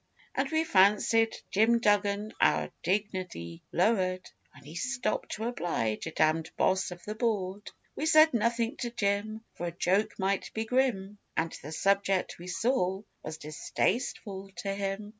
And we fancied Jim Duggan our dignity lower'd When he stopped to oblige a damned Boss of the board. We said nothing to Jim, For a joke might be grim, And the subject, we saw, was distasteful to him.